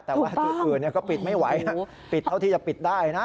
แต่ว่าจุดอื่นก็ปิดไม่ไหวนะปิดเท่าที่จะปิดได้นะ